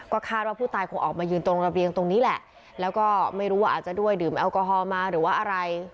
คาดว่าผู้ตายคงออกมายืนตรงระเบียงตรงนี้แหละแล้วก็ไม่รู้ว่าอาจจะด้วยดื่มแอลกอฮอลมาหรือว่าอะไร